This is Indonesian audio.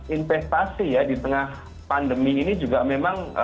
investasi ya di tengah pandemi ini juga memang